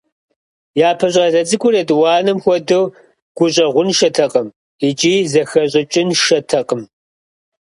Япэ щӏалэ цӏыкӏур етӏуанэм хуэдэу гущӏэгъуншэтэкъым икӏи зэхэщӏыкӏыншэтэкъым.